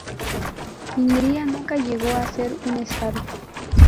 Ingria nunca llegó a ser un Estado.